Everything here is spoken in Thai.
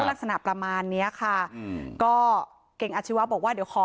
ลักษณะประมาณเนี้ยค่ะอืมก็เก่งอาชีวะบอกว่าเดี๋ยวขอ